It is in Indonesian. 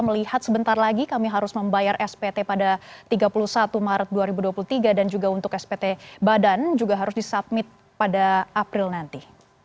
melihat sebentar lagi kami harus membayar spt pada tiga puluh satu maret dua ribu dua puluh tiga dan juga untuk spt badan juga harus disubmit pada april nanti